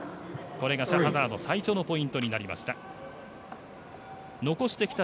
これがシャハザード最初のポイントになりました。